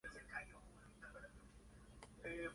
Es el líder de sus enemigos.